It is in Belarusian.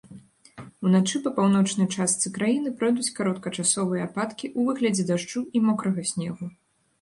Уначы па паўночнай частцы краіны пройдуць кароткачасовыя ападкі ў выглядзе дажджу і мокрага снегу.